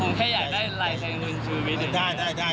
ผมแค่อยากได้ไลน์แทนคุณชุวิตนิดนึง